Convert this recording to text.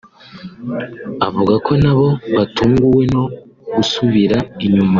avuga ko nabo batunguwe no gusubira inyuma